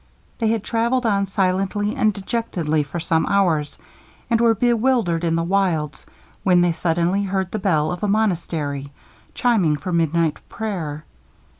They had travelled on silently and dejectedly for some hours, and were bewildered in the wilds, when they suddenly heard the bell of a monastery chiming for midnight prayer.